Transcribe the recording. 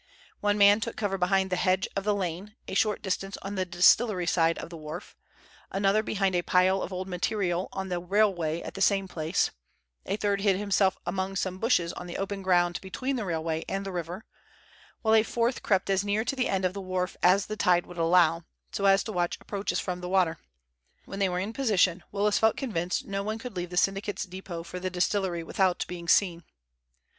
One man took cover behind the hedge of the lane, a short distance on the distillery side of the wharf, another behind a pile of old material on the railway at the same place, a third hid himself among some bushes on the open ground between the railway and the river, while a fourth crept as near to the end of the wharf as the tide would allow, so as to watch approaches from the water. When they were in position, Willis felt convinced no one could leave the syndicate's depot for the distillery without being seen.